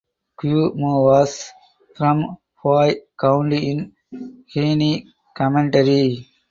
Guo Mo was from Huai County in Henei Commandery.